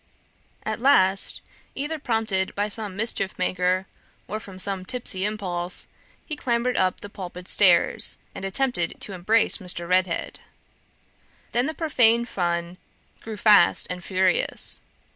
At last, either prompted by some mischief maker, or from some tipsy impulse, he clambered up the pulpit stairs, and attempted to embrace Mr. Redhead. Then the profane fun grew fast and furious.